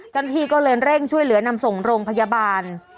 กันทีก็เรียนเร่งช่วยเหลือนำส่งโรงพยาบาล